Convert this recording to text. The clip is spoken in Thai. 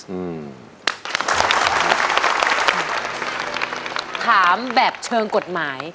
ถามแบบเชิงกฎหมาย